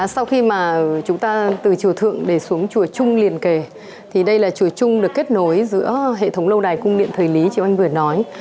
sau khi mà chúng ta từ chùa thượng để xuống chùa chung liền kề thì đây là chùa chung được kết nối giữa hệ thống lâu đài cung điện thời lý chị oanh vừa nói